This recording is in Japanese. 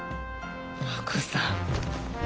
亜子さん。